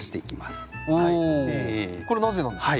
おこれなぜなんでしょう？